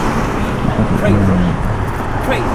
نحن في أمان الآن.